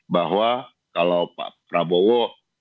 bahwa kalau pak prabowo